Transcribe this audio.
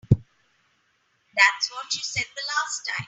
That's what she said the last time.